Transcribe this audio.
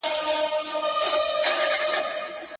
هم د لاس هم يې د سترگي نعمت هېر وو،